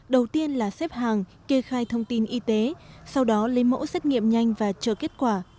đầu tiên là xếp hàng kê khai thông tin y tế sau đó lấy mẫu xét nghiệm nhanh và chờ kết quả